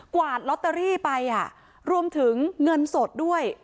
วาดลอตเตอรี่ไปรวมถึงเงินสดด้วย